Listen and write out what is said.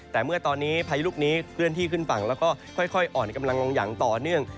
แต่เมื่อตอนนี้พายุลูกนี้เคลื่อนที่ขึ้นฝั่งแล้วก็ค่อยอ่อนกำลังลงอย่างต่อเนื่อง